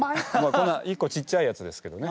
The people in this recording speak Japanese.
こんないっこちっちゃいやつですけどね。